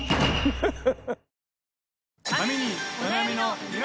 ハハハハ！